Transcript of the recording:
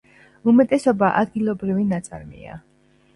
უმეტესობა ადგილობრივი ნაწარმია.